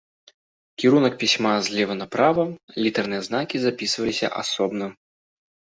Кірунак пісьма злева направа, літарныя знакі запісваліся асобна.